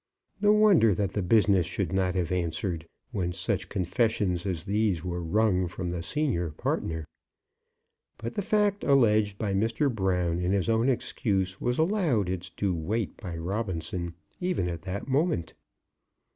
No wonder that the business should not have answered, when such confessions as these were wrung from the senior partner! But the fact alleged by Mr. Brown in his own excuse was allowed its due weight by Robinson, even at that moment. Mr.